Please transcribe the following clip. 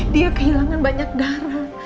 dia kehilangan banyak darah